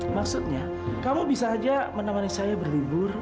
maksudnya kamu bisa saja menemani saya berlibur